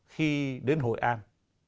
khi đến hội an